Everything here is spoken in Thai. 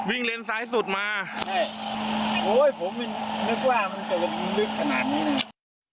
วิ่งเลนส์ซ้ายสุดมาโอ้โฮผมนึกว่ามันจะมีมืดขนาดนี้นะ